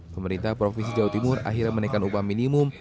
pemerintah provinsi jawa timur akhirnya menaikkan upah minimum